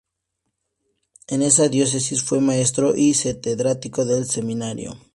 En esa diócesis fue maestro y catedrático del Seminario.